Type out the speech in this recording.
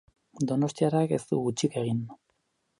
Donostiarrak ez du hutsik egin.